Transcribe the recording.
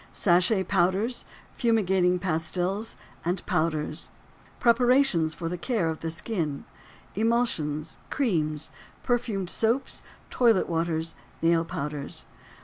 _—Sachet powders, fumigating pastils and powders. PREPARATIONS FOR THE CARE OF THE SKIN. Emulsions, crêmes, perfumed soaps, toilet waters, nail powders.